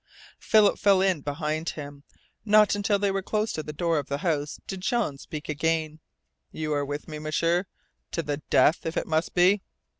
Philip fell in behind him. Not until they were close to the door of the house did Jean speak again. "You are with me, M'sieur to the death, if it must be?"